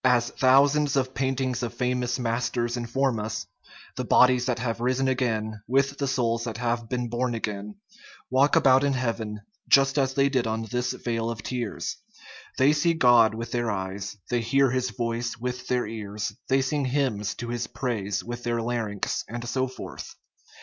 As thousands of paintings of famous masters inform us, the bodies that have risen again, with the souls that have been born again, walk about in heaven just as they did in this vale of tears ; they see God with their eyes, they hear His voice with their ears, they sing hymns to His praise with their larynx, and so forth.